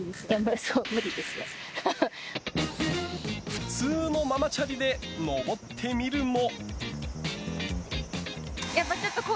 普通のママチャリで上ってみるも。